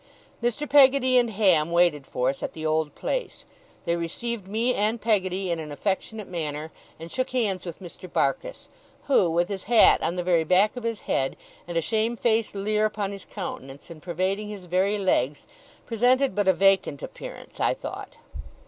Mr. Peggotty and Ham waited for us at the old place. They received me and Peggotty in an affectionate manner, and shook hands with Mr. Barkis, who, with his hat on the very back of his head, and a shame faced leer upon his countenance, and pervading his very legs, presented but a vacant appearance, I thought.